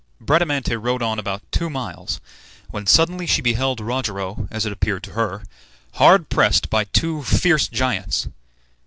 Bradamante rode on about two miles when suddenly she beheld Rogero, as it appeared to her, hard pressed by two fierce giants.